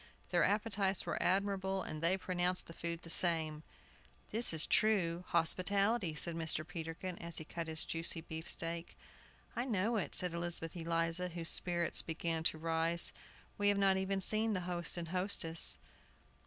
Their appetites were admirable, and they pronounced the food the same. "This is true Arab hospitality," said Mr. Peterkin, as he cut his juicy beefsteak. "I know it," said Elizabeth Eliza, whose spirits began to rise. "We have not even seen the host and hostess."